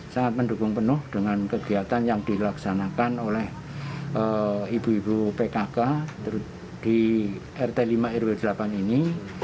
sangat mendukung penuh dengan kegiatan yang dilaksanakan oleh ibu ibu pkk di rt lima rw delapan ini